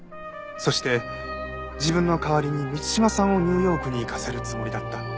そして自分の代わりに満島さんをニューヨークに行かせるつもりだった。